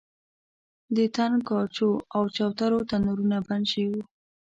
د تنګاچو او چوترو تنورونه بند شوي وو.